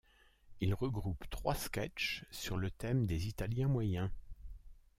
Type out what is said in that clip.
Il regroupe trois sketches sur le thème des Italiens moyens.